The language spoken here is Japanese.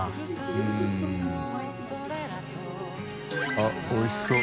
あっおいしそう。